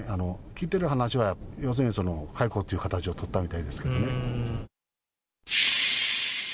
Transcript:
聞いてる話はやっぱり、要するに解雇という形を取ったみたいですけどね。